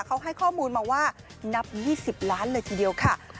เขาให้ข้อมูลมาว่านับ๒๐ล้านเลยทีเดียวค่ะ